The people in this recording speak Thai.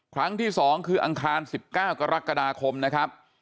ครั้งที่สองคืออังคารสิบเก้ากรกฎาคมนะครับ